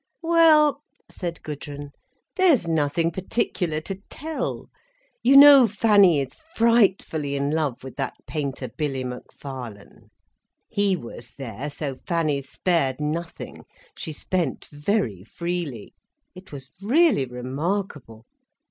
"Well," said Gudrun. "There's nothing particular to tell. You know Fanny is frightfully in love with that painter, Billy Macfarlane. He was there—so Fanny spared nothing, she spent very freely. It was really remarkable!